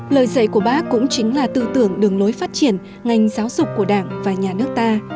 lời dạy của bác cũng chính là tư tưởng đường lối phát triển ngành giáo dục của đảng và nhà nước ta